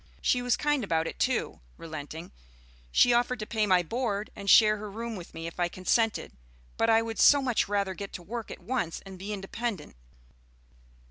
She was kind about it, too " relenting; "she offered to pay my board and share her room with me if I consented; but I would so much rather get to work at once and be independent.